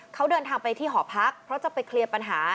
เขาเดินทางไปที่หอพักเพราะจะไปเคลียร์ปัญหา